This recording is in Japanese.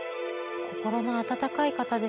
心の温かい方ですね。